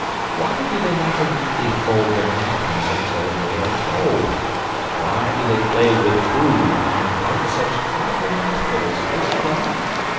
Why do they never neatly fold Their napkins until they are told? Why do they play with food, and bite Such awful mouthfuls? Is it right?